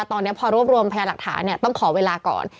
ตอนนี้พอรวบรวมพยาหลักฐานเนี่ยต้องขอเวลาก่อน